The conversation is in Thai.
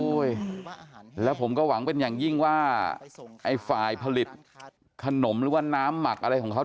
แล้วผมก็หวังเป็นอย่างยิ่งว่าไอ้ฝ่ายผลิตขนมหรือว่าน้ำหมักอะไรของเขา